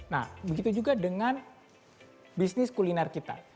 nah begitu juga dengan bisnis kuliner kita